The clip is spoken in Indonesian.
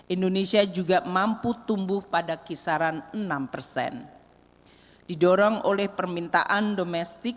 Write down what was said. dua ribu sepuluh dua ribu tiga belas indonesia juga mampu tumbuh pada kisaran enam persen didorong oleh permintaan domestik